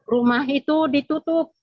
rumah itu ditutup